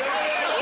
今！